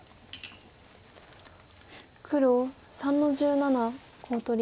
黒３の十七コウ取り。